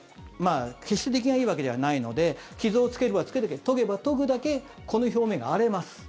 決して出来がいいわけではないので傷をつければつけるだけ研げば研ぐだけこの表面が荒れます。